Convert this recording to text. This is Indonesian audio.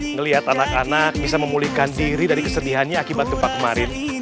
ngelihat anak anak bisa memulihkan diri dari kesedihannya akibat gempa kemarin